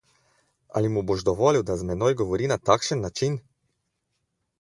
Ali mu boš dovolil, da z menoj govori na takšen način?